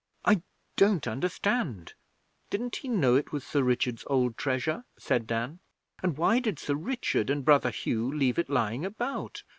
'I don't understand. Didn't he know it was Sir Richard's old treasure?' said Dan. 'And why did Sir Richard and Brother Hugh leave it lying about?